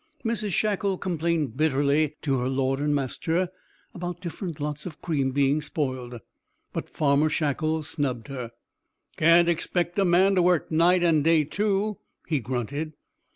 Mrs Shackle complained bitterly to her lord and master about different lots of cream being spoiled, but Farmer Shackle snubbed her. "Can't expect a man to work night and day too," he grunted.